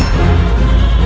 kita harus berpikir